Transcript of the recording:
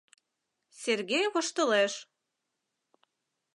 — Сергей воштылеш...